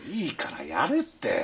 いいからやれって。